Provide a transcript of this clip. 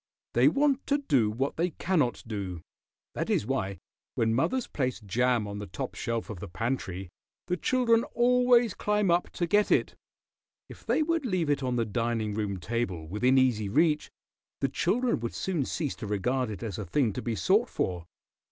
They want to do what they cannot do. That is why, when mothers place jam on the top shelf of the pantry, the children always climb up to get it. If they would leave it on the dining room table, within easy reach, the children would soon cease to regard it as a thing to be sought for.